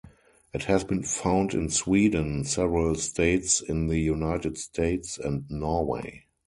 It has been found in Sweden, several states in the United States and Norway.